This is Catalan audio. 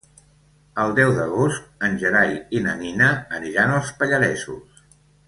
El deu d'agost en Gerai i na Nina aniran als Pallaresos.